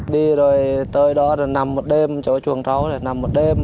đi rồi tới đó nằm một đêm chỗ chuồng rấu nằm một đêm